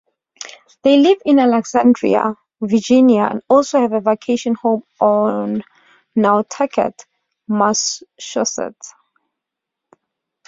They live in Alexandria, Virginia and also have a vacation home on Nantucket, Massachusetts.